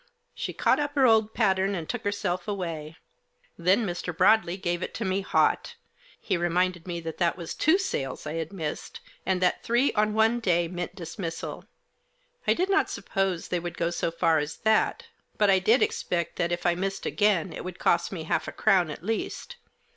She caught up her old pattern and took herself away. Then Mr. Broadley gave it to me hot. He reminded me that that was two sales I had missed, and that three, on one day, meant dismissal. I dicj not suppose they would go so far as that, but I did expect that, if I missed again, it would cost me half a crown, at least.